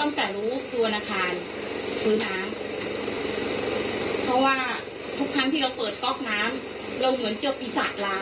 ตั้งแต่รู้ตัวอาคารซื้อน้ำเพราะว่าทุกครั้งที่เราเปิดก๊อกน้ำเราเหมือนเจอปีศาจล้าง